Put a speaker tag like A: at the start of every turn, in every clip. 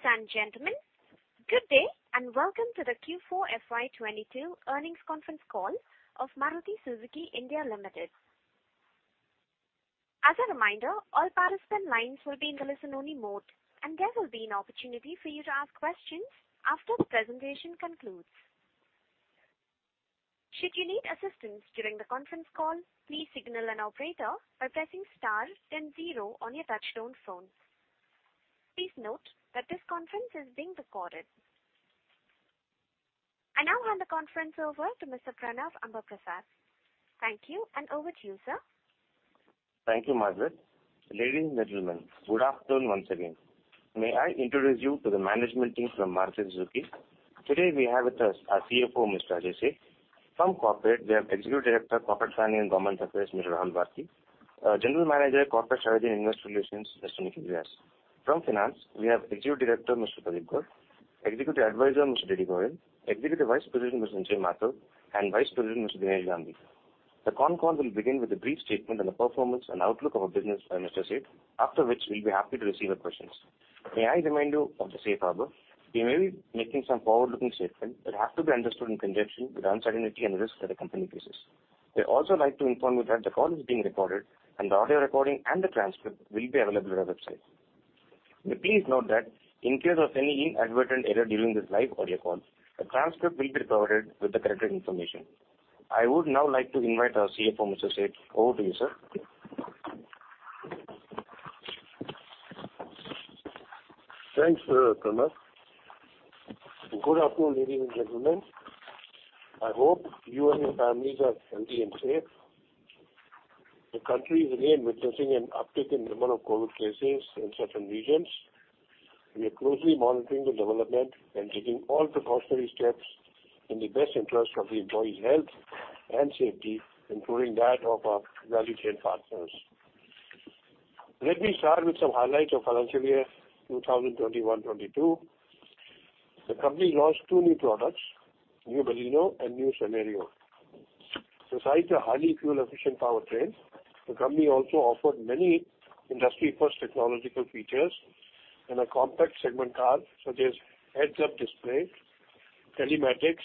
A: Ladies and gentlemen, good day, and welcome to the Q4 FY22 earnings conference call of Maruti Suzuki India Limited. As a reminder, all participant lines will be in the listen-only mode, and there will be an opportunity for you to ask questions after the presentation concludes. Should you need assistance during the conference call, please signal an operator by pressing star then zero on your touchtone phone. Please note that this conference is being recorded. I now hand the conference over to Mr. Pranav Ambaprasad. Thank you, and over to you, sir.
B: Thank you, Margaret. Ladies and gentlemen, good afternoon once again. May I introduce you to the management team from Maruti Suzuki. Today we have with us our CFO, Mr. Ajay Seth. From corporate, we have Executive Director, Corporate Finance and Government Affairs, Mr. Rahul Bharti. Our General Manager, Corporate Strategy and Investor Relations, Mr. Nikhil Vyas. From finance, we have Executive Director, Mr. Pradeep Garg, Executive Advisor, Mr. D. D. Goyal, Executive Vice President, Mr. Sanjay Mathur, and Vice President, Mr. Dinesh Kumar Gandhi. The conference call will begin with a brief statement on the performance and outlook of our business by Mr. Seth, after which we'll be happy to receive your questions. May I remind you of the safe harbor. We may be making some forward-looking statements that have to be understood in conjunction with uncertainty and risk that the company faces. We'd also like to inform you that the call is being recorded and the audio recording and the transcript will be available on our website. Please note that in case of any inadvertent error during this live audio call, a transcript will be provided with the corrected information. I would now like to invite our CFO, Mr. Seth. Over to you, sir.
C: Thanks, Pranav. Good afternoon, ladies and gentlemen. I hope you and your families are healthy and safe. The country is again witnessing an uptick in the amount of COVID cases in certain regions. We are closely monitoring the development and taking all precautionary steps in the best interest of the employees' health and safety, including that of our value chain partners. Let me start with some highlights of financial year 2021-22. The company launched two new products, new Baleno and new Celerio. Besides the highly fuel-efficient powertrain, the company also offered many industry-first technological features in a compact segment car, such as heads-up display, telematics,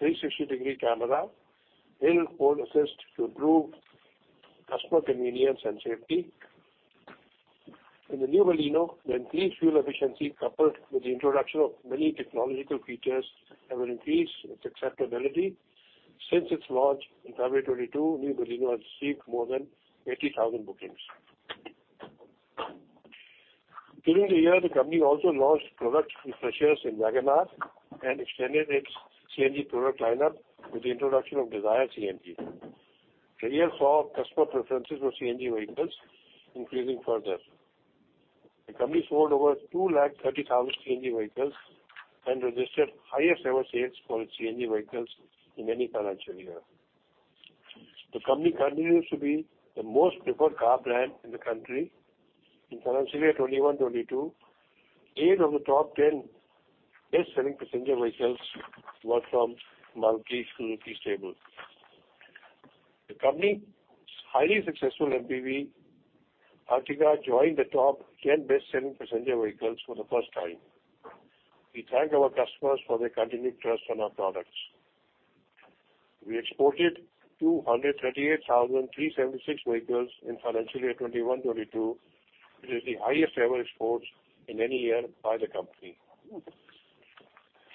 C: 360-degree camera, hill hold assist to improve customer convenience and safety. In the new Baleno, the increased fuel efficiency coupled with the introduction of many technological features have increased its acceptability. Since its launch in February 2022, new Baleno has received more than 80,000 bookings. During the year, the company also launched product refreshes in WagonR and extended its CNG product lineup with the introduction of Dzire CNG. The year saw customer preferences for CNG vehicles increasing further. The company sold over 230,000 CNG vehicles and registered highest ever sales for its CNG vehicles in any financial year. The company continues to be the most preferred car brand in the country. In financial year 2021-22, eight of the top 10 best-selling passenger vehicles were from Maruti Suzuki stable. The company's highly successful MPV Ertiga joined the top 10 best-selling passenger vehicles for the first time. We thank our customers for their continued trust on our products. We exported 238,376 vehicles in financial year 2021-22, which is the highest ever exports in any year by the company.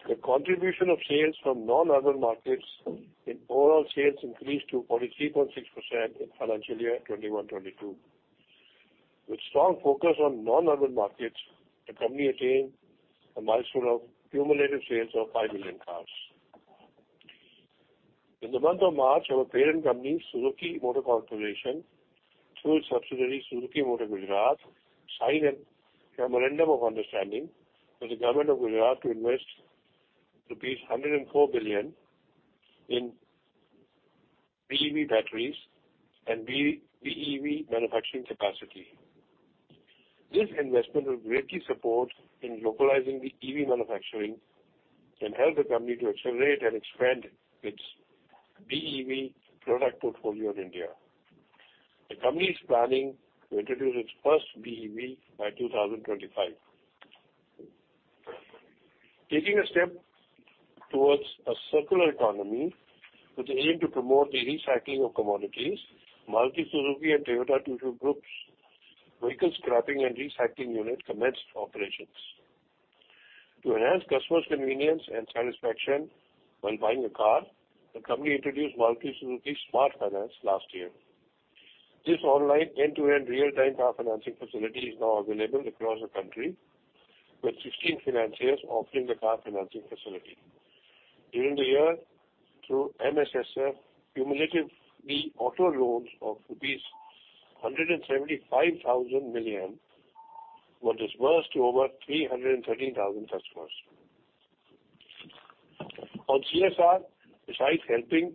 C: The contribution of sales from non-urban markets in overall sales increased to 43.6% in financial year 2021-22. With strong focus on non-urban markets, the company attained a milestone of cumulative sales of 5 million cars. In the month of March, our parent company, Suzuki Motor Corporation, through its subsidiary, Suzuki Motor Gujarat, signed a memorandum of understanding with the Government of Gujarat to invest INR 104 billion in BEV batteries and BEV manufacturing capacity. This investment will greatly support in localizing the EV manufacturing and help the company to accelerate and expand its BEV product portfolio in India. The company is planning to introduce its first BEV by 2025. Taking a step towards a circular economy with the aim to promote the recycling of commodities, Maruti Suzuki and Toyota Tsusho group's vehicle scrapping and recycling unit commenced operations. To enhance customers' convenience and satisfaction when buying a car, the company introduced Maruti Suzuki Smart Finance last year. This online end-to-end real-time car financing facility is now available across the country, with 16 financiers offering the car financing facility. During the year, through MSSF, cumulatively auto loans of rupees 175 billion were disbursed to over 313,000 customers. On CSR, besides helping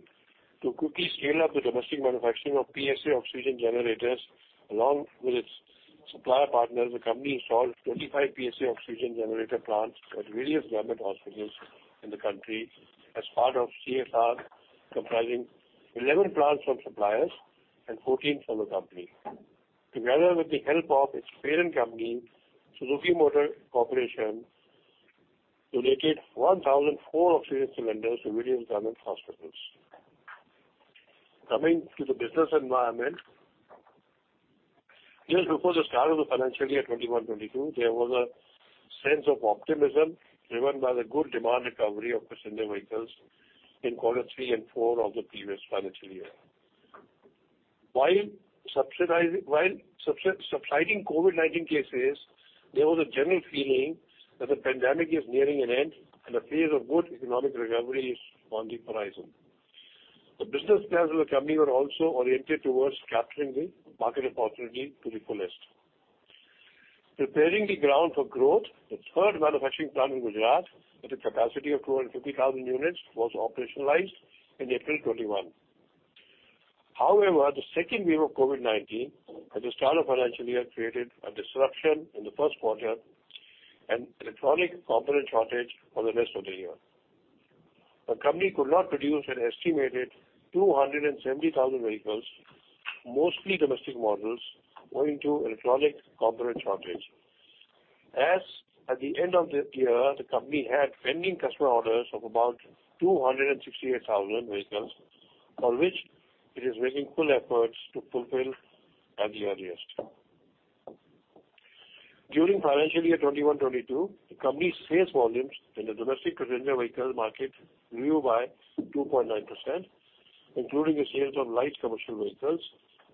C: to quickly scale up the domestic manufacturing of PSA oxygen generators, along with its supplier partners, the company installed 25 PSA oxygen generator plants at various government hospitals in the country as part of CSR, comprising 11 plants from suppliers and 14 from the company. Together with the help of its parent company, Suzuki Motor Corporation, donated 1,004 oxygen cylinders to various government hospitals. Coming to the business environment, just before the start of the financial year 2021-22, there was a sense of optimism driven by the good demand recovery of passenger vehicles in quarter three and four of the previous financial year. While subsiding COVID-19 cases, there was a general feeling that the pandemic is nearing an end and a phase of good economic recovery is on the horizon. The business plans of the company were also oriented towards capturing the market opportunity to the fullest. Preparing the ground for growth, the third manufacturing plant in Gujarat, with a capacity of 250,000 units, was operationalized in April 2021. However, the second wave of COVID-19 at the start of financial year created a disruption in the first quarter and electronic component shortage for the rest of the year. The company could not produce an estimated 270,000 vehicles, mostly domestic models, owing to electronic component shortage. As at the end of the year, the company had pending customer orders of about 268,000 vehicles, for which it is making full efforts to fulfill at the earliest. During financial year 2021-22, the company's sales volumes in the domestic passenger vehicle market grew by 2.9%, including the sales of light commercial vehicles.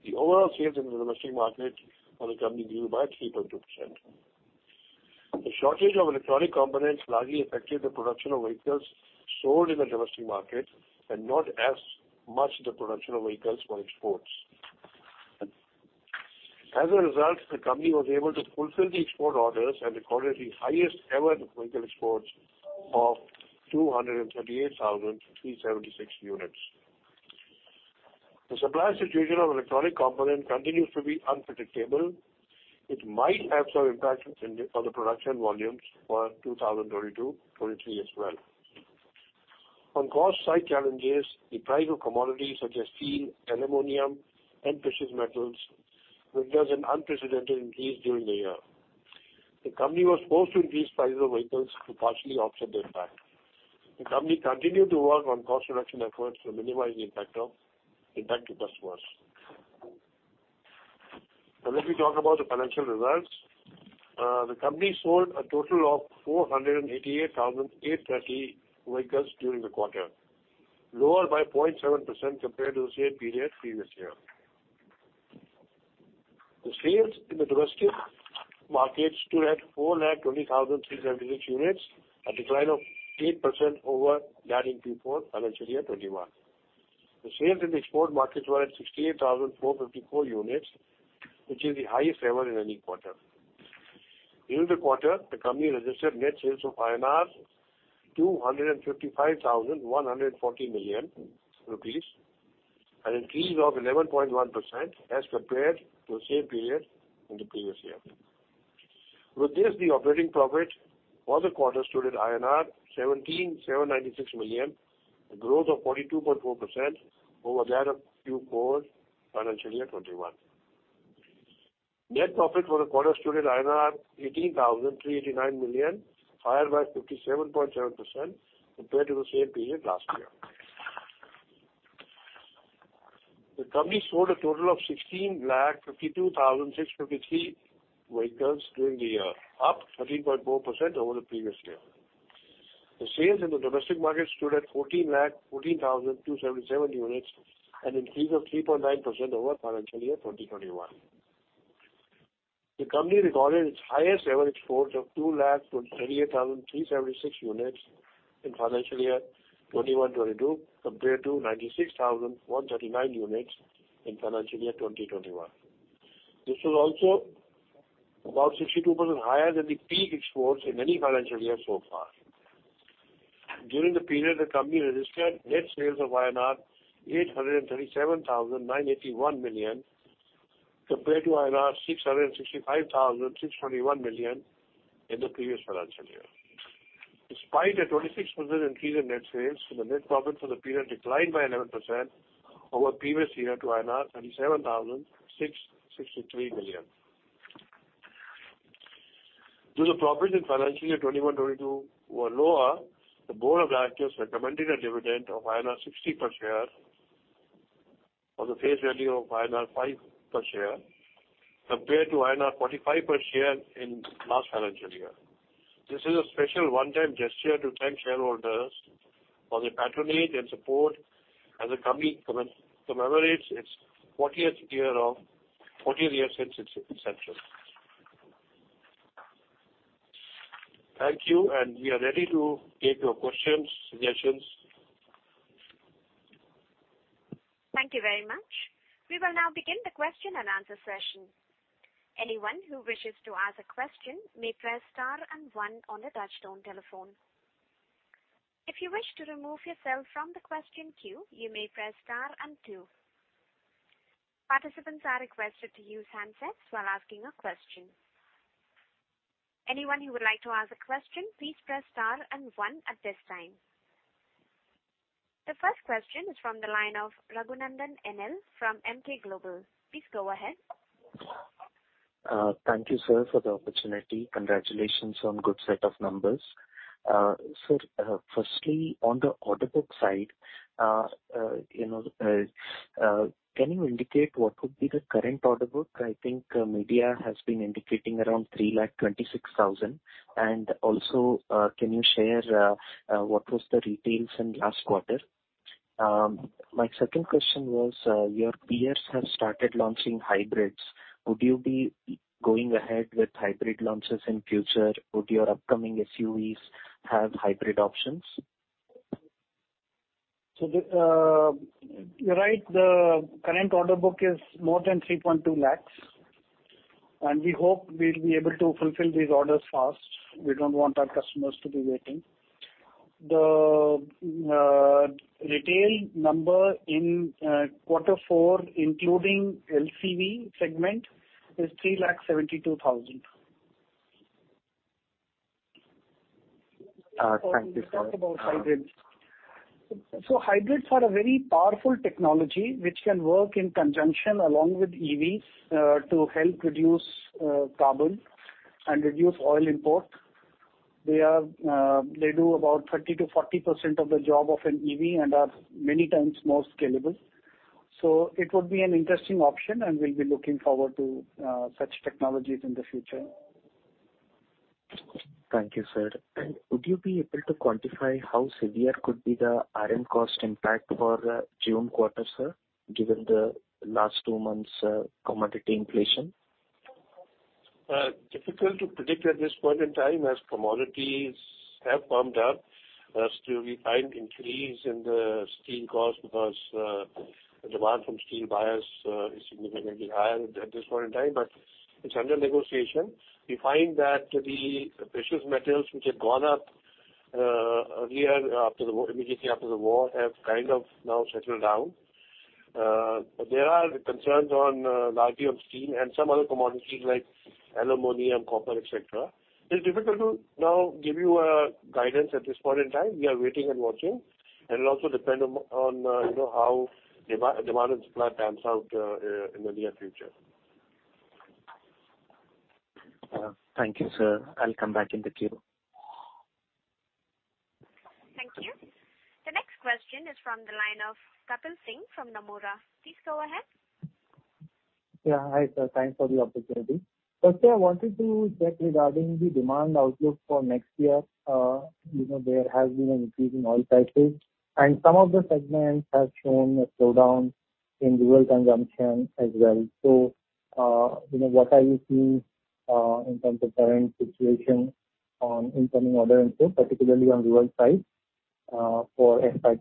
C: The overall sales in the domestic market for the company grew by 3.2%. The shortage of electronic components largely affected the production of vehicles sold in the domestic market and not as much the production of vehicles for exports. As a result, the company was able to fulfill the export orders and recorded the highest ever vehicle exports of 238,376 units. The supply situation of electronic component continues to be unpredictable. It might have some impact on the production volumes for 2022, 2023 as well. On cost side challenges, the price of commodities such as steel, aluminum and precious metals registered an unprecedented increase during the year. The company was forced to increase prices of vehicles to partially offset the impact. The company continued to work on cost reduction efforts to minimize the impact to customers. Now let me talk about the financial results. The company sold a total of 488,830 vehicles during the quarter, lower by 0.7% compared to the same period previous year. The sales in the domestic market stood at 420,376 units, a decline of 8% over that in Q4 financial year 2021. The sales in the export markets were at 68,454 units, which is the highest ever in any quarter. During the quarter, the company registered net sales of 255,140 million rupees, an increase of 11.1% as compared to the same period in the previous year. With this, the operating profit for the quarter stood at INR 17,796 million, a growth of 42.4% over that of Q4 financial year 2021. Net profit for the quarter stood at INR 18,389 million, higher by 57.7% compared to the same period last year. The company sold a total of 1,652,653 vehicles during the year, up 13.4% over the previous year. The sales in the domestic market stood at 1,414,277 units, an increase of 3.9% over financial year 2021. The company recorded its highest ever exports of 228,376 units in financial year 2021-22, compared to 96,139 units in financial year 2020-21. This was also about 62% higher than the peak exports in any financial year so far. During the period, the company registered net sales of 837,981 million, compared to 665,621 million in the previous financial year. Despite a 26% increase in net sales, the net profit for the period declined by 11% over previous year to 27,663 million. Though the profits in financial year 2021, 2022 were lower, the Board of Directors recommended a dividend of INR 60 per share on the face value of INR 5 per share, compared to INR 45 per share in last financial year. This is a special one-time gesture to thank shareholders for their patronage and support as the company commemorates its fortieth year since its inception. Thank you, and we are ready to take your questions, suggestions.
A: Thank you very much. We will now begin the question and answer session. Anyone who wishes to ask a question may press star and one on the touch-tone telephone. If you wish to remove yourself from the question queue, you may press star and two. Participants are requested to use handsets while asking a question. Anyone who would like to ask a question, please press star and one at this time. The first question is from the line of Raghunandhan NL from Emkay Global. Please go ahead.
D: Thank you, sir, for the opportunity. Congratulations on good set of numbers. Sir, firstly, on the order book side, you know, can you indicate what would be the current order book? I think MSIL has been indicating around 326,000. Also, can you share what was the retail in last quarter? My second question was, your peers have started launching hybrids. Would you be going ahead with hybrid launches in future? Would your upcoming SUVs have hybrid options?
E: You're right, the current order book is more than 3.2 lakh, and we hope we'll be able to fulfill these orders fast. We don't want our customers to be waiting. The retail number in quarter four, including LCV segment, is 372,000.
D: Thank you, sir.
E: To talk about hybrids. Hybrids are a very powerful technology which can work in conjunction along with EV to help reduce carbon and reduce oil import. They do about 30%-40% of the job of an EV and are many times more scalable. It would be an interesting option and we'll be looking forward to such technologies in the future.
D: Thank you, sir. Would you be able to quantify how severe could be the iron cost impact for June quarter, sir, given the last two months, commodity inflation?
E: Difficult to predict at this point in time as commodities have pumped up. Still we find increase in the steel cost because demand from steel buyers is significantly higher at this point in time, but it's under negotiation. We find that the precious metals which have gone up earlier after the war, immediately after the war, have kind of now settled down. There are concerns on largely on steel and some other commodities like aluminum, copper, et cetera. It's difficult to now give you a guidance at this point in time. We are waiting and watching. It'll also depend on you know how demand and supply pans out in the near future.
D: Thank you, sir. I'll come back in the queue.
A: Thank you. The next question is from the line of Kapil Singh from Nomura. Please go ahead.
F: Yeah. Hi, sir. Thanks for the opportunity. First I wanted to check regarding the demand outlook for next year. You know, there has been an increase in oil prices, and some of the segments have shown a slowdown in rural consumption as well. You know, what are you seeing in terms of current situation on incoming order intake, particularly on rural side, for FY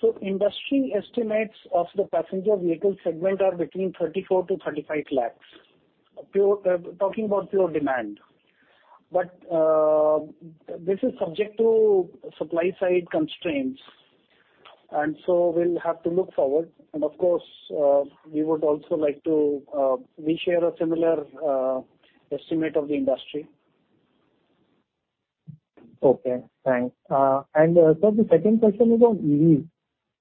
F: 2023?
E: Industry estimates of the passenger vehicle segment are between 34 lakhs-35 lakhs. Purely talking about pure demand. This is subject to supply-side constraints, so we'll have to look forward. Of course, we share a similar estimate of the industry.
F: Okay, thanks. The second question is on EVs.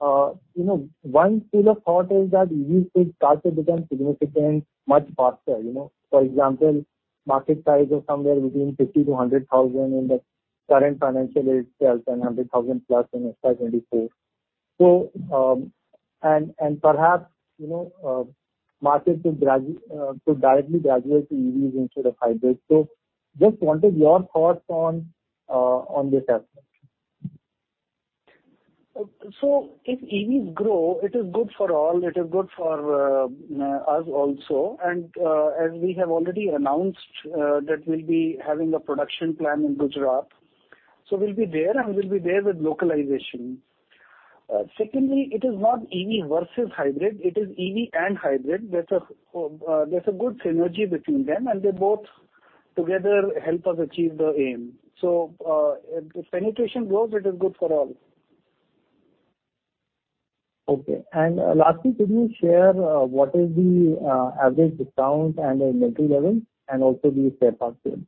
F: You know, one school of thought is that EVs could start to become significant much faster, you know. For example, market size of somewhere between 50,000-100,000 in the current financial year itself and 100,000+ in FY 2024. Perhaps, you know, market could directly graduate to EVs instead of hybrids. Just wanted your thoughts on this aspect.
E: If EVs grow, it is good for all, it is good for us also. As we have already announced, that we'll be having a production plan in Gujarat, we'll be there with localization. Secondly, it is not EV versus hybrid, it is EV and hybrid. There's a good synergy between them, and they both together help us achieve the aim. If penetration grows, it is good for all.
F: Okay. Lastly, could you share what is the average discount and inventory levels and also the spare parts sales?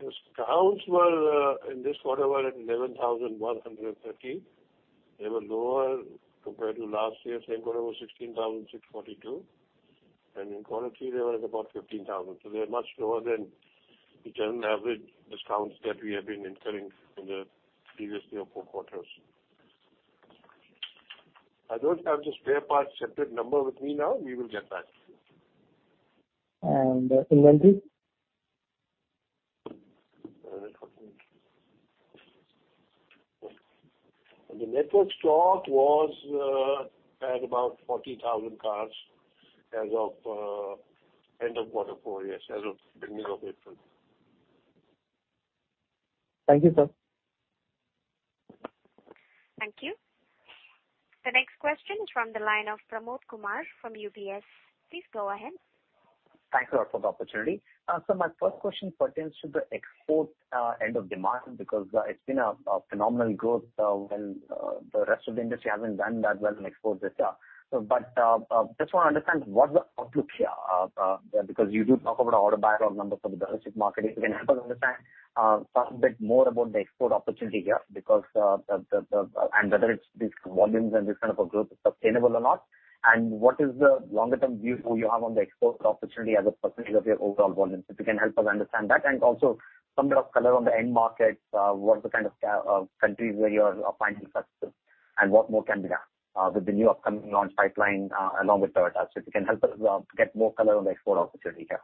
E: Discounts were in this quarter at 11,150. They were lower compared to last year, same quarter was 16,642. In quarter three they were at about 15,000. They are much lower than the general average discounts that we have been incurring in the previous year, four quarters. I don't have the spare parts separate number with me now. We will get back to you.
F: Inventory?
E: The network stock was at about 40,000 cars as of end of quarter four, yes, as of beginning of April.
F: Thank you, sir.
A: Thank you. The next question is from the line of Pramod Kumar from UBS. Please go ahead.
G: Thanks a lot for the opportunity. My first question pertains to the export end of demand because it's been a phenomenal growth when the rest of the industry hasn't done that well in export this year. Just wanna understand what the outlook here because you do talk about order backlog numbers for the domestic market. If you can help us understand, talk a bit more about the export opportunity here because whether it's these volumes and this kind of a growth is sustainable or not. What is the longer term view you have on the export opportunity as a percentage of your overall volumes? If you can help us understand that, and also some bit of color on the end markets, what's the kind of countries where you are finding success and what more can be done with the new upcoming launch pipeline along with Toyota. If you can help us out, get more color on the export opportunity here.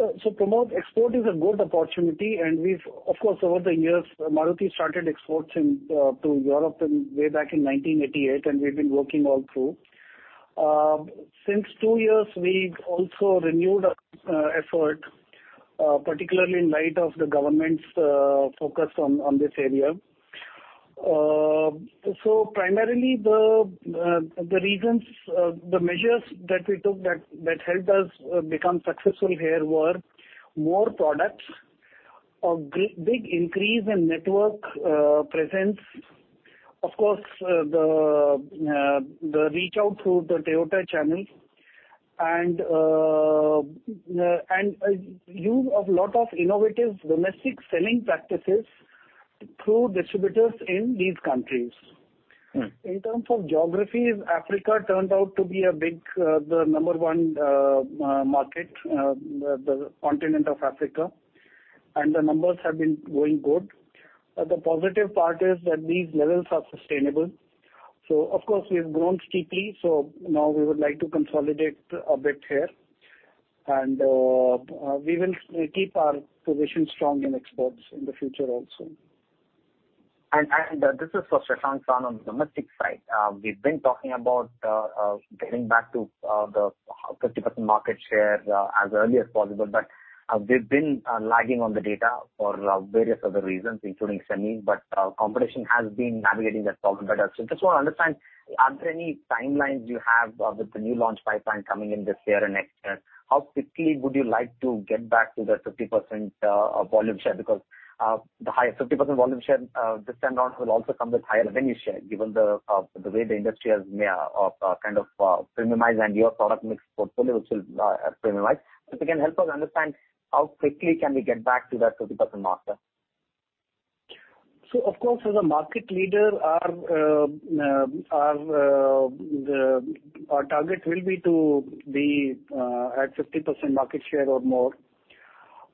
E: Pramod, export is a good opportunity, and we've of course over the years, Maruti started exports into Europe way back in 1988, and we've been working all through. Since two years, we've also renewed effort, particularly in light of the government's focus on this area. Primarily the reasons, the measures that we took that helped us become successful here were more products, a big increase in network presence, of course, the reach out through the Toyota channels and use of a lot of innovative domestic selling practices through distributors in these countries.
G: Mm.
E: In terms of geographies, Africa turned out to be a big, the number one market, the continent of Africa, and the numbers have been going good. The positive part is that these levels are sustainable. Of course, we have grown steeply, so now we would like to consolidate a bit here. We will keep our position strong in exports in the future also.
G: This is for Shashank-san on the domestic side. We've been talking about getting back to the 50% market share as early as possible. We've been lagging on the data for various other reasons, including semi, but competition has been navigating that problem better. Just wanna understand, are there any timelines you have with the new launch pipeline coming in this year and next year? How quickly would you like to get back to the 50% volume share? The high 50% volume share this time around will also come with higher revenue share, given the way the industry has kind of premiumized and your product mix portfolio, which will premiumize. If you can help us understand how quickly can we get back to that 50% marker?
E: Of course, as a market leader our target will be to be at 50% market share or more.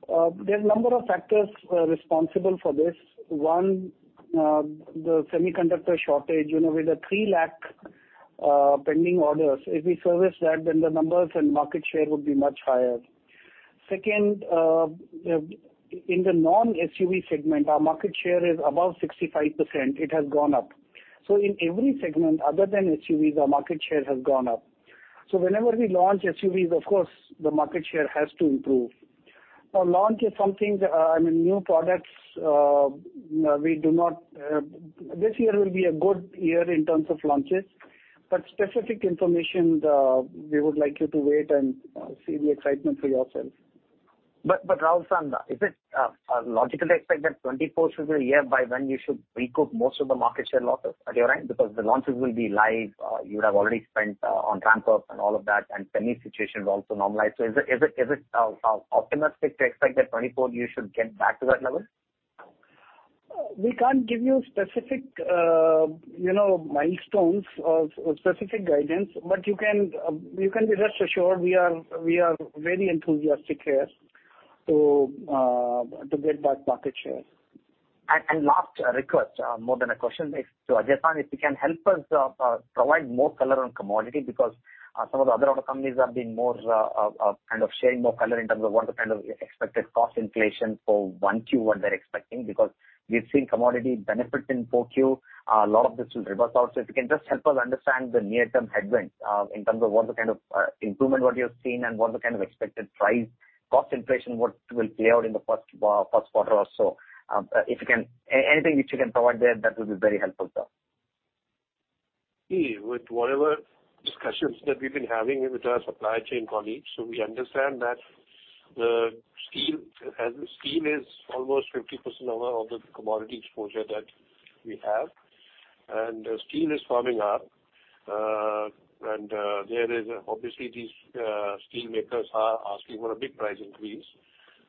E: There are a number of factors responsible for this. One, the semiconductor shortage. You know, with the 3 lakh pending orders, if we service that, then the numbers and market share would be much higher. Second, in the non-SUV segment, our market share is above 65%. It has gone up. In every segment other than SUVs, our market share has gone up. Whenever we launch SUVs, of course the market share has to improve. Now, launch is something, I mean, new products, we do not. This year will be a good year in terms of launches, but specific information, we would like you to wait and see the excitement for yourself.
G: Rahul-san, is it logically expected that 2024 is the year by when you should recoup most of the market share losses? Am I right? Because the launches will be live, you would have already spent on ramp-up and all of that, and semi situation will also normalize. Is it optimistic to expect that 2024 you should get back to that level?
E: We can't give you specific, you know, milestones or specific guidance, but you can be rest assured we are very enthusiastic here to get back market share.
G: Last request, more than a question. Ajay-san, if you can help us provide more color on commodity because some of the other auto companies have been more kind of sharing more color in terms of what the kind of expected cost inflation for 1Q, what they're expecting. Because we've seen commodity benefit in 4Q. A lot of this will reverse out. If you can just help us understand the near-term headwinds in terms of what the kind of improvement what you're seeing and what the kind of expected price cost inflation, what will play out in the first quarter or so. If you can anything which you can provide there, that will be very helpful, sir.
C: From whatever discussions that we've been having with our supply chain colleagues, we understand that the steel is almost 50% of the commodity exposure that we have. Steel is firming up. There is obviously these steelmakers are asking for a big price increase,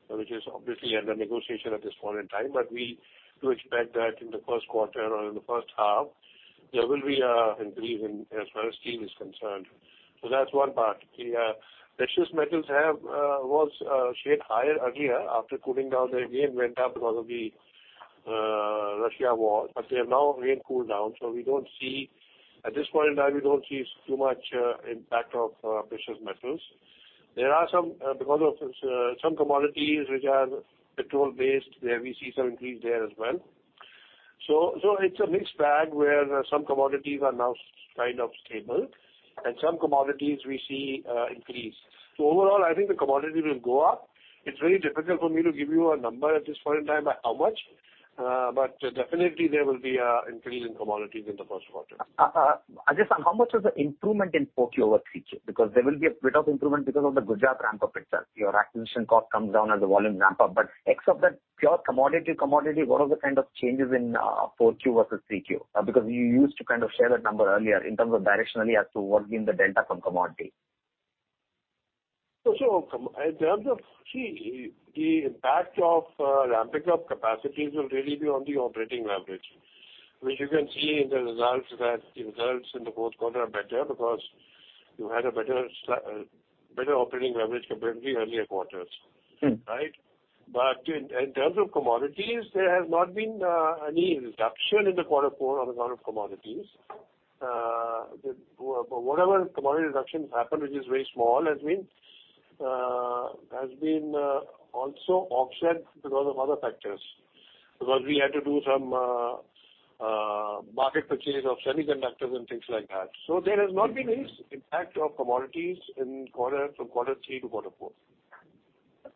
C: which is obviously under negotiation at this point in time. We do expect that in the first quarter or in the first half, there will be increase in, as far as steel is concerned. That's one part. The precious metals have surged higher earlier after cooling down. They again went up because of the Russia war, but they have now again cooled down. We don't see, at this point in time, too much impact of precious metals. There are some because of some commodities which are gasoline-based, there we see some increase there as well. It's a mixed bag where some commodities are now kind of stable and some commodities we see increase. Overall, I think the commodity will go up. It's very difficult for me to give you a number at this point in time by how much, but definitely there will be an increase in commodities in the first quarter.
G: I just How much is the improvement in 4Q over 3Q? There will be a bit of improvement because of the Gujarat ramp-up itself. Your acquisition cost comes down as the volume ramp up. Except that pure commodity, what are the kind of changes in 4Q versus 3Q? You used to kind of share that number earlier in terms of directionally as to what being the delta from commodity.
C: In terms of, see, the impact of ramping up capacities will really be on the operating leverage, which you can see in the results in the fourth quarter are better because you had a better operating leverage compared to the earlier quarters.
G: Mm-hmm.
C: Right? In terms of commodities, there has not been any reduction in quarter four on account of commodities. Whatever commodity reductions happened, which is very small, has been also offset because of other factors. Because we had to do some market purchase of semiconductors and things like that. There has not been any impact of commodities in quarter, from quarter three to quarter four.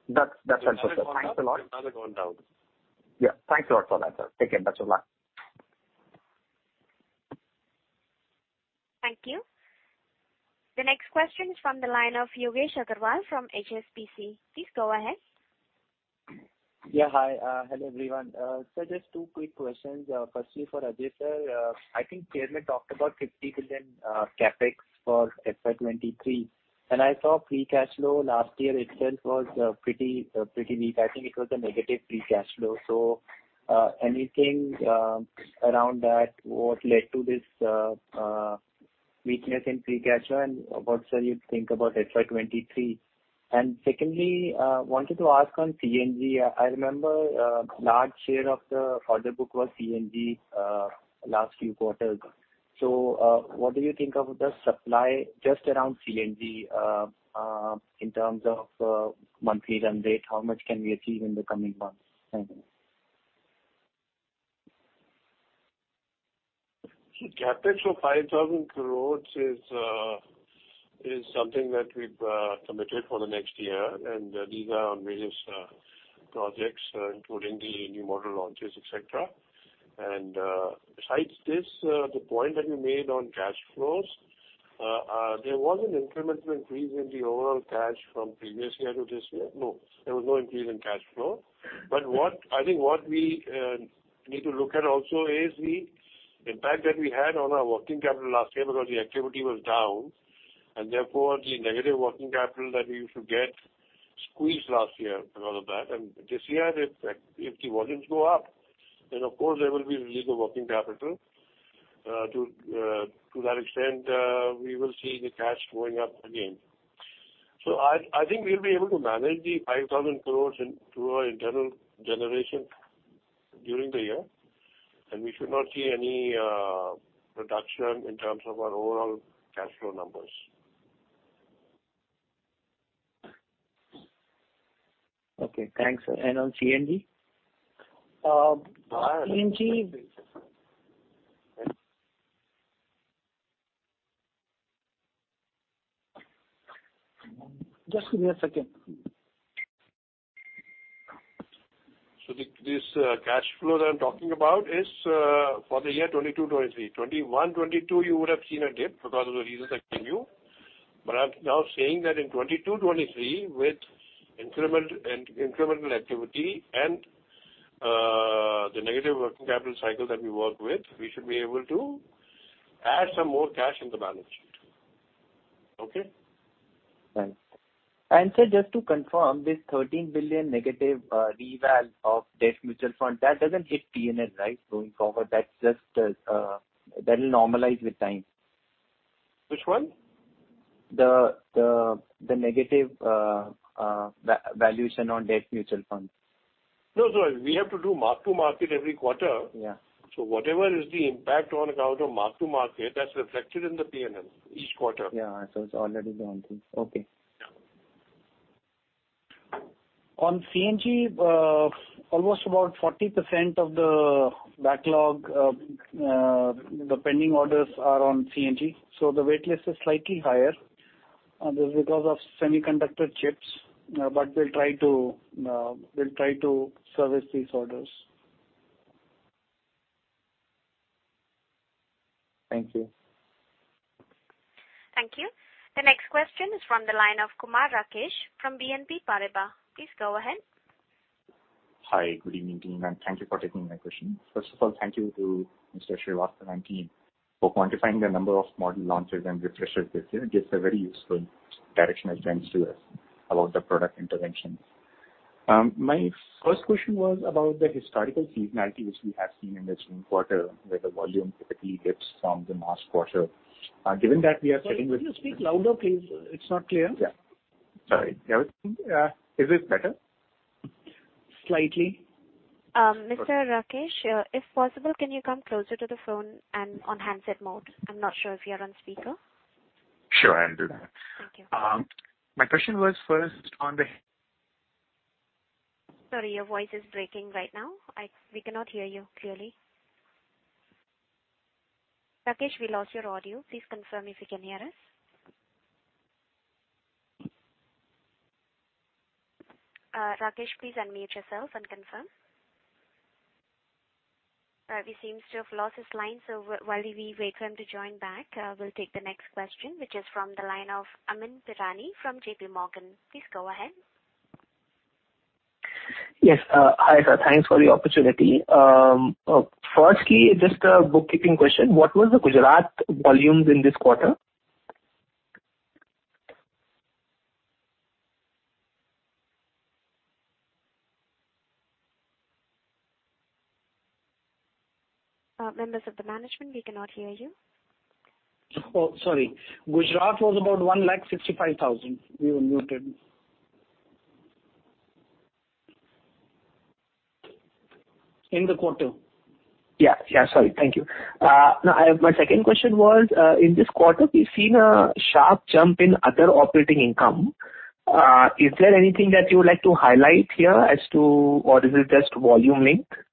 G: That's understood. Thanks a lot.
C: It's rather gone down.
G: Yeah. Thanks a lot for that, sir. Take care. Best of luck.
A: Thank you. The next question is from the line of Yogesh Aggarwal from HSBC. Please go ahead.
H: Yeah, hi. Hello, everyone. Just two quick questions. Firstly for Ajay, sir. I think chairman talked about 50 billion CapEx for FY 2023, and I saw free cash flow last year itself was pretty weak. I think it was a negative free cash flow. Anything around that, what led to this weakness in free cash flow and what, sir, you think about FY 2023? Secondly, wanted to ask on CNG. I remember large share of the order book was CNG last few quarters. What do you think of the supply just around CNG in terms of monthly run rate? How much can we achieve in the coming months? Thank you.
C: CapEx of 5,000 crore is something that we've committed for the next year. These are various projects including the new model launches, et cetera. Besides this, the point that you made on cash flows, there was an incremental increase in the overall cash from previous year to this year. No, there was no increase in cash flow. But what I think we need to look at also is the impact that we had on our working capital last year because the activity was down. Therefore, the negative working capital that we used to get squeezed last year and all of that. This year, if the volumes go up, then of course there will be a release of working capital. To that extent, we will see the cash going up again. I think we'll be able to manage 5,000 crore through our internal generation during the year, and we should not see any reduction in terms of our overall cash flow numbers.
H: Okay. Thanks, sir. On CNG?
C: CNG
E: Just give me a second.
C: This cash flow that I'm talking about is for the year 2022-2023. 2021-2022, you would have seen a dip because of the reasons I gave you. I'm now saying that in 2022-2023, with incremental activity and the negative working capital cycle that we work with, we should be able to add some more cash in the balance sheet. Okay.
H: Thanks. Sir, just to confirm, this -13 billion reval of debt mutual fund, that doesn't hit P&L, right? Going forward, that's just, that'll normalize with time.
C: Which one?
H: The negative valuation on debt mutual funds.
C: No, no. We have to do mark to market every quarter.
H: Yeah.
C: Whatever is the impact on account of mark-to-market, that's reflected in the P&L each quarter.
H: Yeah. It's already gone through. Okay.
C: Yeah.
E: On CNG, almost about 40% of the backlog, the pending orders are on CNG, so the waitlist is slightly higher. This is because of semiconductor chips. We'll try to service these orders.
H: Thank you.
A: Thank you. The next question is from the line of Kumar Rakesh from BNP Paribas. Please go ahead.
I: Hi, good evening to you, ma'am. Thank you for taking my question. First of all, thank you to Mr. Srivastava and team for quantifying the number of model launches and refreshes this year. It gives a very useful directional trends to us about the product interventions. My first question was about the historical seasonality which we have seen in this June quarter, where the volume typically dips from the last quarter. Given that we are sitting with-
E: Sorry, can you speak louder, please? It's not clear.
I: Yeah. Sorry. Can you hear me? Is this better?
E: Slightly.
A: Mr. Rakesh, if possible, can you come closer to the phone and on handset mode? I'm not sure if you're on speaker.
I: Sure, I can do that.
A: Thank you.
I: My question was first on the-
A: Sorry, your voice is breaking right now. We cannot hear you clearly. Rakesh, we lost your audio. Please confirm if you can hear us. Rakesh, please unmute yourself and confirm. He seems to have lost his line. While we wait for him to join back, we'll take the next question, which is from the line of Amyn Pirani from JPMorgan. Please go ahead.
J: Yes. Hi, sir. Thanks for the opportunity. Firstly, just a bookkeeping question. What was the Gujarat volumes in this quarter?
A: Members of the management, we cannot hear you.
E: Oh, sorry. Gujarat was about 165,000. We were muted. In the quarter.
J: Yeah, sorry. Thank you. My second question was, in this quarter we've seen a sharp jump in other operating income. Is there anything that you would like to highlight here as to, or is it just volume linked?
E: Some of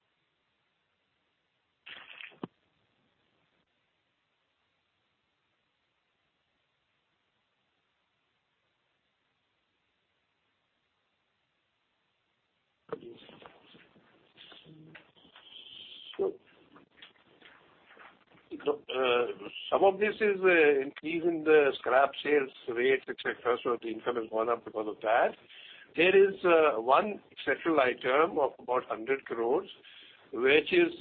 E: this is increase in the scrap sales rates, et cetera, so the income has gone up because of that. There is one special item of about 100 crore, which is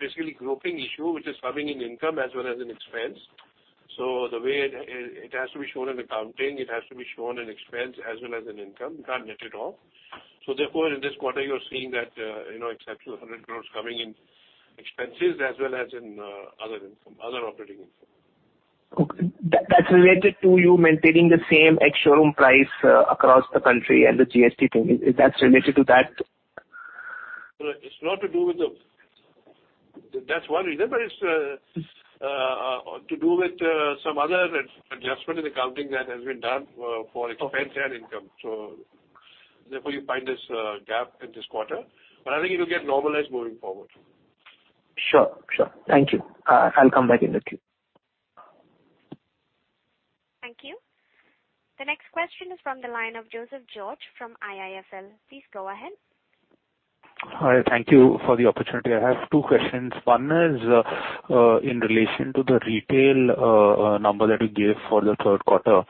E: basically grouping issue, which is coming in income as well as in expense. The way it has to be shown in accounting, it has to be shown in expense as well as in income. You can't net it off. In this quarter, you're seeing that you know exceptional 100 crore coming in expenses as well as in other income, other operating income.
J: Okay. That's related to you maintaining the same ex-showroom price across the country and the GST thing. Is that related to that?
E: No. It's not to do with that. That's one reason, but it's to do with some other adjustment in accounting that has been done for expense and income.
J: Okay.
E: Therefore you find this, gap in this quarter. I think it will get normalized moving forward.
J: Sure. Thank you. I'll come back in the queue.
A: Thank you. The next question is from the line of Joseph George from IIFL. Please go ahead.
K: Hi. Thank you for the opportunity. I have two questions. One is in relation to the retail number that you gave for the third quarter.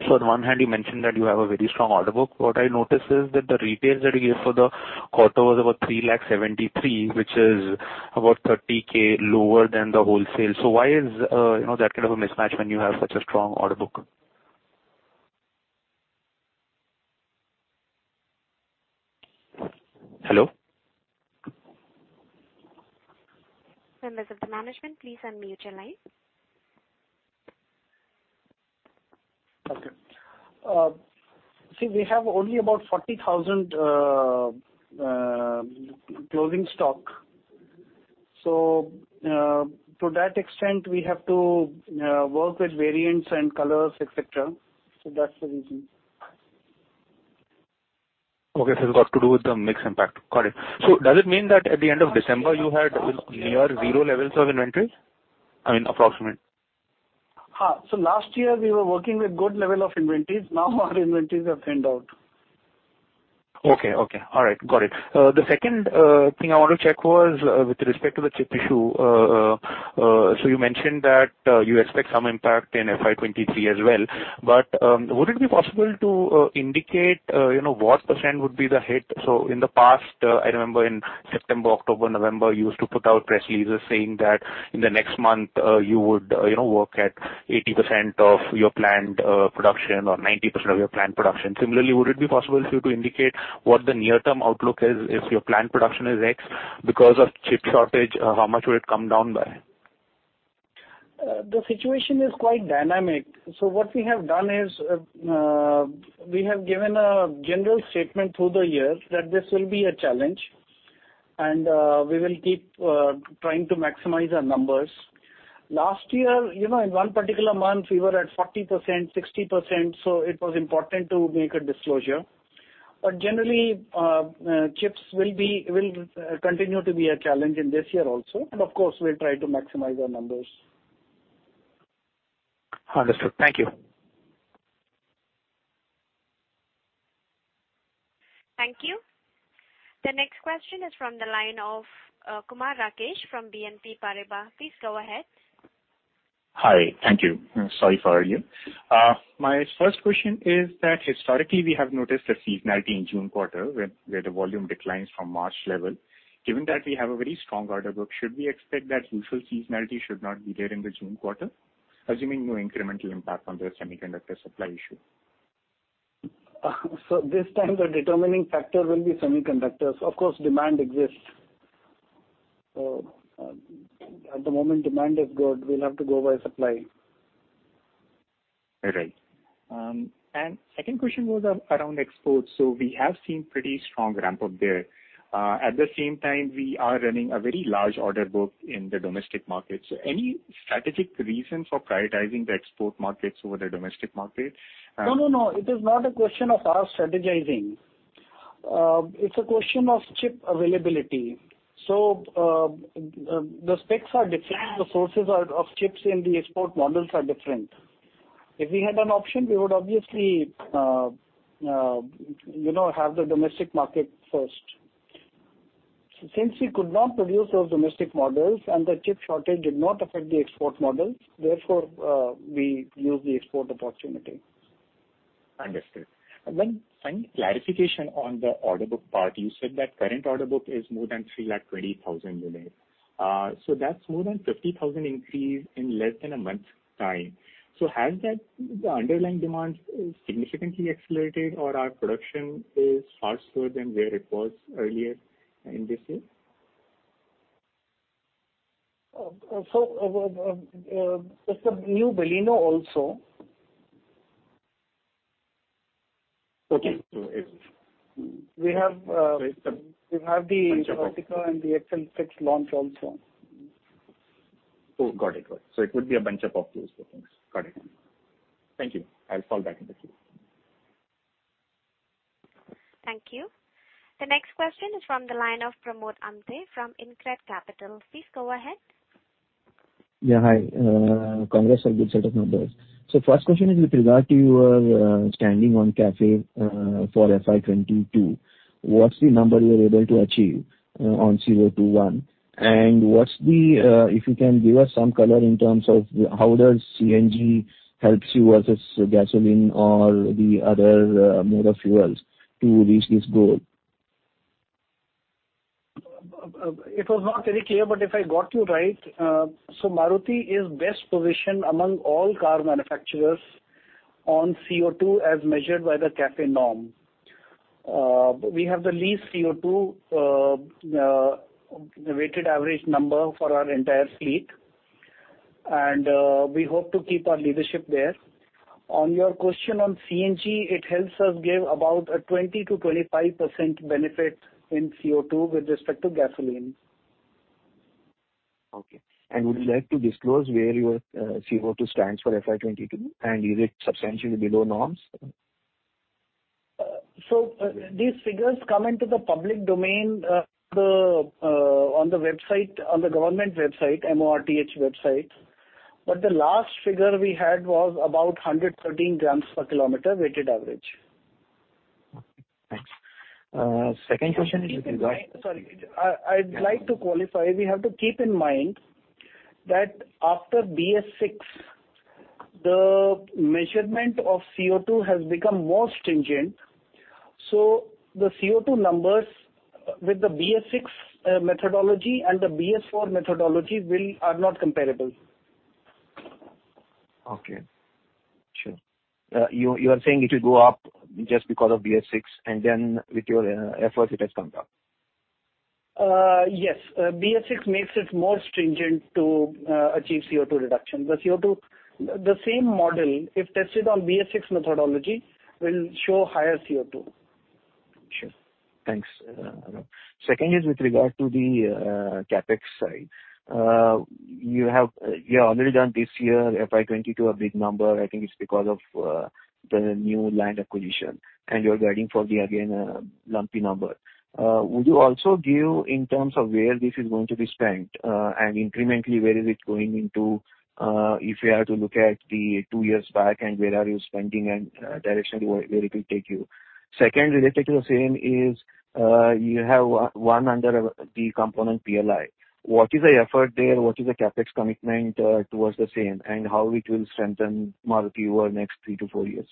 K: On one hand, you mentioned that you have a very strong order book. What I noticed is that the retails that you gave for the quarter was about 373,000, which is about 30,000 lower than the wholesale. Why is you know that kind of a mismatch when you have such a strong order book? Hello?
A: Members of the management, please unmute your line.
E: Okay. See, we have only about 40,000 closing stock. To that extent, we have to work with variants and colors, et cetera. That's the reason.
K: Okay. It's got to do with the mix impact. Got it. Does it mean that at the end of December you had near zero levels of inventories? I mean, approximate.
E: Last year we were working with good level of inventories. Now our inventories are thinned out.
K: Okay. All right. Got it. The second thing I want to check was with respect to the chip issue. So you mentioned that you expect some impact in FY 2023 as well, but would it be possible to indicate you know what % would be the hit? So in the past I remember in September, October, November, you used to put out press releases saying that in the next month you would you know work at 80% of your planned production or 90% of your planned production. Similarly, would it be possible for you to indicate what the near-term outlook is? If your planned production is X because of chip shortage, how much would it come down by?
E: The situation is quite dynamic. What we have done is, we have given a general statement through the years that this will be a challenge and, we will keep trying to maximize our numbers. Last year, you know, in one particular month, we were at 40%, 60%, so it was important to make a disclosure. Generally, chips will continue to be a challenge in this year also. Of course, we'll try to maximize our numbers.
K: Understood. Thank you.
A: Thank you. The next question is from the line of Kumar Rakesh from BNP Paribas. Please go ahead.
I: Hi. Thank you. Sorry for earlier. My first question is that historically we have noticed a seasonality in June quarter where the volume declines from March level. Given that we have a very strong order book, should we expect that usual seasonality should not be there in the June quarter, assuming no incremental impact on the semiconductor supply issue?
E: This time the determining factor will be semiconductors. Of course, demand exists. At the moment, demand is good. We'll have to go by supply.
I: Right. Second question was around exports. We have seen pretty strong ramp-up there. At the same time, we are running a very large order book in the domestic market. Any strategic reason for prioritizing the export markets over the domestic market?
E: No, no. It is not a question of our strategizing. It's a question of chip availability. The specs are different. The sources of chips in the export models are different. If we had an option, we would obviously, you know, have the domestic market first. Since we could not produce those domestic models and the chip shortage did not affect the export models, therefore, we used the export opportunity.
I: Understood. Then finally, clarification on the order book part. You said that current order book is more than 320,000 units. That's more than 50,000 increase in less than a month's time. Has that the underlying demand significantly accelerated or our production is faster than where it was earlier in this year?
E: It's a new Baleno also.
I: Okay.
E: We have.
I: So it's a-
E: We have the Ertiga and the XL6 launch also.
I: Oh, got it. Got it. It would be a bunch of options for things. Got it. Thank you. I'll fall back into queue.
A: Thank you. The next question is from the line of Pramod Amthe from InCred Capital. Please go ahead.
L: Yeah, hi. Congrats on good set of numbers. First question is with regard to your standing on CAFE for FY 2022. What's the number you were able to achieve on CO2 1? And what's the if you can give us some color in terms of how does CNG helps you versus gasoline or the other mode of fuels to reach this goal?
E: It was not very clear, but if I got you right, so Maruti is best positioned among all car manufacturers on CO2 as measured by the CAFE norm. We have the least CO2 weighted average number for our entire fleet, and we hope to keep our leadership there. On your question on CNG, it helps us give about a 20%-25% benefit in CO2 with respect to gasoline.
L: Okay. Would you like to disclose where your CO2 stands for FY 2022, and is it substantially below norms?
E: These figures come into the public domain on the website, on the government website, MORTH website. The last figure we had was about 113 grams per kilometer weighted average.
L: Okay, thanks. Second question is with regard-
E: Sorry. I'd like to qualify. We have to keep in mind that after BS6, the measurement of CO2 has become more stringent. The CO2 numbers with the BS6 methodology and the BS4 methodology are not comparable.
L: Okay. Sure. You are saying it will go up just because of BS6 and then with your efforts it has come down.
E: BS6 makes it more stringent to achieve CO2 reduction. The same model if tested on BS6 methodology will show higher CO2.
L: Sure. Thanks, Shashank. Second is with regard to the CapEx side. You have already done this year, FY 2022, a big number. I think it's because of the new land acquisition, and you're guiding for, again, a lumpy number. Would you also give in terms of where this is going to be spent, and incrementally, where is it going into, if you have to look at the two years back and where are you spending and directionally where it will take you? Second, related to the same is, you have one under the component PLI. What is the effort there? What is the CapEx commitment towards the same, and how it will strengthen Maruti over next three to four years?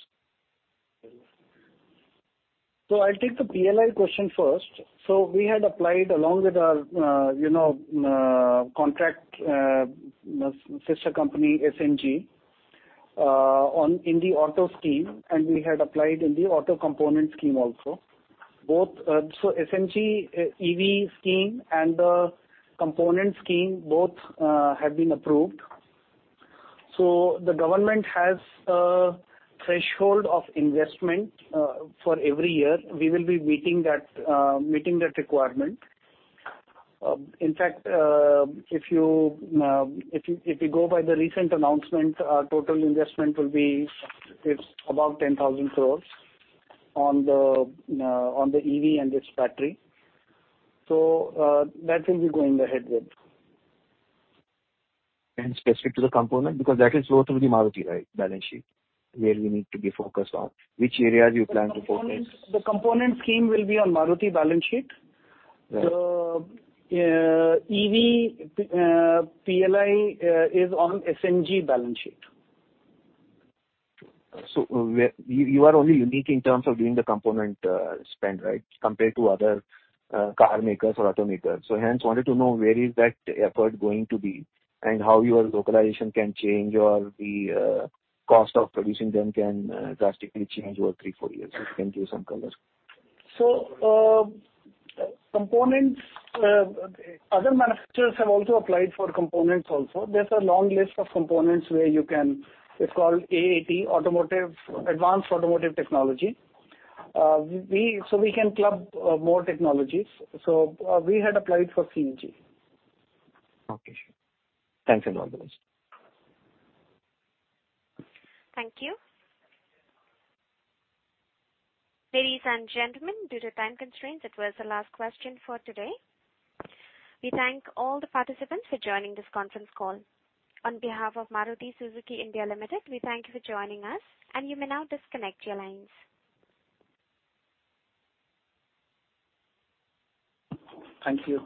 E: I'll take the PLI question first. We had applied along with our you know sister company SMG in the auto scheme, and we had applied in the auto component scheme also. SMG EV scheme and the component scheme have been approved. The government has a threshold of investment for every year. We will be meeting that requirement. In fact, if you go by the recent announcement, our total investment will be, it's about 10,000 crore on the EV and its battery. That we'll be going ahead with.
L: Specific to the component, because that will flow through the Maruti, right, balance sheet where we need to be focused on. Which areas you plan to focus?
E: The component scheme will be on Maruti balance sheet.
L: Right.
E: The EV PLI is on SMG balance sheet.
L: Where you are only unique in terms of doing the component spend, right, compared to other car makers or auto makers. Hence, wanted to know where is that effort going to be and how your localization can change or the cost of producing them can drastically change over 3-4 years. If you can give some colors.
E: Components, other manufacturers have also applied for components also. There's a long list of components where you can. It's called AAT, Advanced Automotive Technology. We can club more technologies. We had applied for CNG.
L: Okay, sure. Thanks a lot for this.
A: Thank you. Ladies and gentlemen, due to time constraints, that was the last question for today. We thank all the participants for joining this conference call. On behalf of Maruti Suzuki India Limited, we thank you for joining us, and you may now disconnect your lines.
E: Thank you.